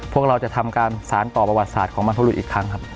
พวกเราจะทำการสารต่อประวัติศาสตร์ของบรรพบรุษอีกครั้งครับ